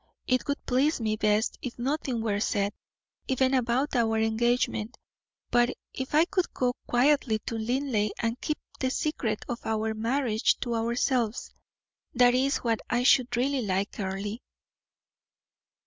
It would please me best if nothing were said, even about our engagement, but if we could go quietly to Linleigh and keep the secret of our marriage to ourselves; that is what I should really like, Earle."